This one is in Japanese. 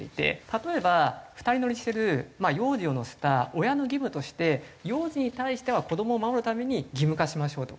例えば２人乗りしてる幼児を乗せた親の義務として幼児に対しては子どもを守るために義務化しましょうとか。